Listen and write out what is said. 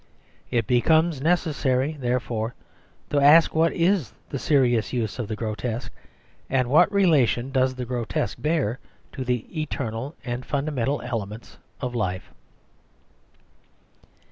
It becomes necessary, therefore, to ask what is the serious use of the grotesque, and what relation does the grotesque bear to the eternal and fundamental elements in life?